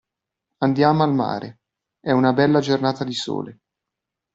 Andiamo al mare, è una bella giornata di sole.